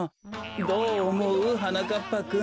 どうおもう？はなかっぱくん。